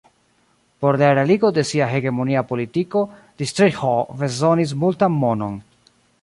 Por la realigo de sia hegemonia politiko Ditriĥo bezonis multan monon.